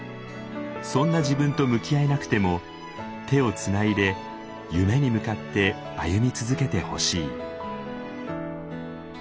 そんな自分と向き合えなくても手をつないで夢に向かって歩み続けてほしい。